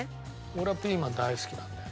俺はピーマン大好きなんだよ。